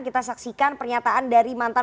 kita saksikan pernyataan dari mantan